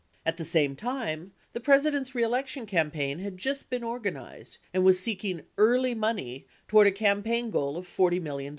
At the same time, the President's reelection campaign had just been organized and was seeking "early money" toward a campaign goal of $40 million.